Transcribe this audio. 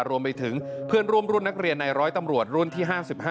รวมไปถึงเพื่อนร่วมรุ่นนักเรียนในร้อยตำรวจรุ่นที่๕๕